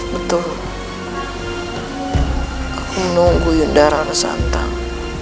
betul aku menunggu yundara nesantang